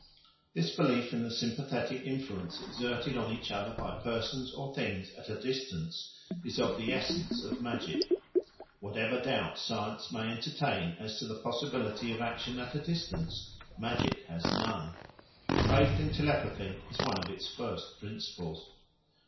This belief in the sympathetic influence exerted on each other by persons or things at a distance is of the essence of magic. Whatever doubts science may entertain as to the possibility of action at a distance, magic has none; faith in telepathy is one of its first principles.